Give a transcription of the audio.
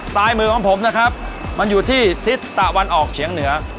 มือของผมนะครับมันอยู่ที่ทิศตะวันออกเฉียงเหนือ